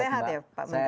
sehat ya pak menteri